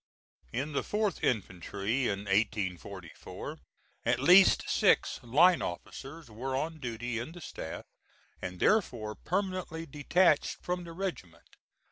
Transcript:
In the 4th infantry, in 1844, at least six line officers were on duty in the staff, and therefore permanently detached from the regiment.